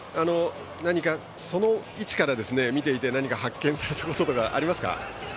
何かその位置から見ていて発見されたことなどありますか？